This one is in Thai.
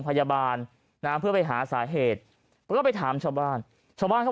พยาบาลนะเพื่อไปหาสาเหตุก็ไปถามชาวบ้านชาวบ้านเขา